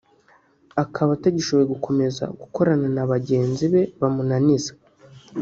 akaba atagishoboye gukomeza gukorana na bagenzi be bamunaniza